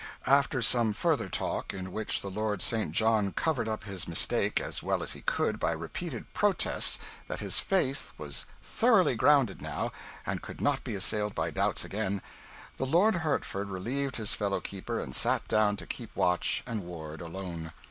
After some further talk, in which the Lord St. John covered up his mistake as well as he could by repeated protests that his faith was thoroughly grounded now, and could not be assailed by doubts again, the Lord Hertford relieved his fellow keeper, and sat down to keep watch and ward alone.